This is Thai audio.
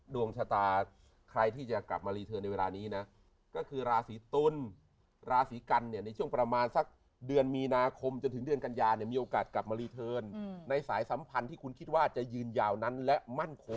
ดวงชะตาใครที่จะกลับมารีเทิร์นในเวลานี้นะก็คือราศีตุลราศีกันเนี่ยในช่วงประมาณสักเดือนมีนาคมจนถึงเดือนกัญญาเนี่ยมีโอกาสกลับมารีเทิร์นในสายสัมพันธ์ที่คุณคิดว่าจะยืนยาวนั้นและมั่นคง